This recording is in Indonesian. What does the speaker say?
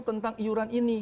tentang iuran ini